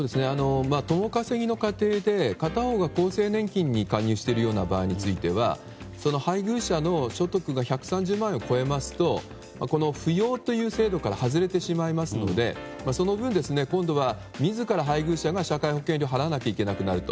共稼ぎの家庭で片方が厚生年金に加入している場合については配偶者の所得が１３０万円を超えますとこの扶養という制度から外れてしまいますのでその分、今度は自ら配偶者が社会保険料を払わないといけなくなると。